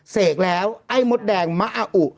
เสกแล้วไอ้มดแดงมะอาอุ